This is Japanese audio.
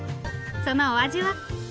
そのお味は？